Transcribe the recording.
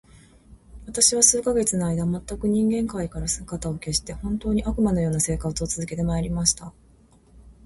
私は数ヶ月の間、全く人間界から姿を隠して、本当に、悪魔の様な生活を続けて参りました。